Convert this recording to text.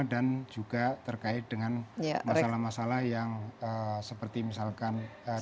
dan juga terkait dengan masalah masalah yang seperti misalkan